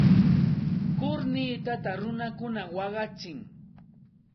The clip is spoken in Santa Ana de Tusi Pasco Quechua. Kurnitata runakuna waqachin.